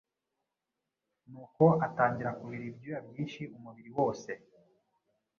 Nuko atangira kubira ibyuya byinshi umubiri wose.